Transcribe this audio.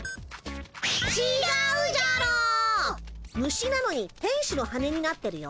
虫なのに天使の羽になってるよ。